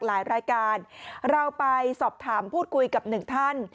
หลายรายการเราไปสอบถามพูดคุยกับหนึ่งท่าน